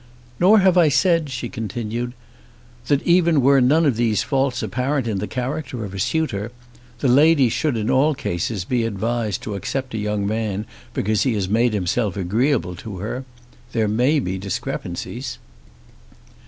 "Nor have I said," she continued, "that even were none of these faults apparent in the character of a suitor, the lady should in all cases be advised to accept a young man because he has made himself agreeable to her. There may be discrepancies."